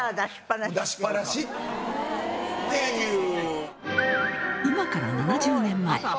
出しっぱなしっていう。